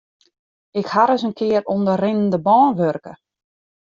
Ik ha ris in kear oan de rinnende bân wurke.